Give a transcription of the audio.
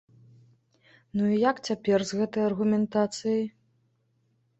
Ну і як цяпер з гэтай аргументацыяй?